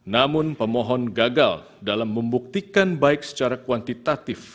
namun pemohon gagal dalam membuktikan baik secara kuantitatif